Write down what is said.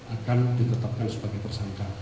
akan ditetapkan sebagai tersangka